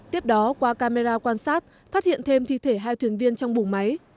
tiếp đó qua camera quan sát phát hiện thêm thi thể hai thuyền viên trong vùng máy